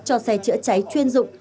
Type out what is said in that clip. cho xe chữa cháy chuyên dụng